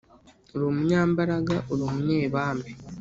Uri umunyambaraga uri umunyebambe;